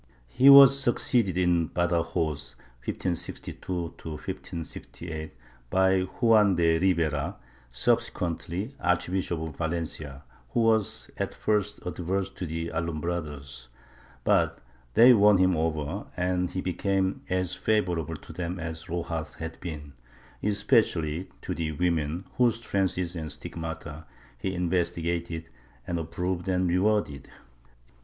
He was succeeded in Badajoz (1562 1568) by Juan de Ribera, subsequently Archbishop of \^alencia, who was at first adverse to the Alumbrados, but they won him over, and he became as favorable to them as Rojas had been, especially to the women, whose trances and stigmata he investigated and approved and rewarded.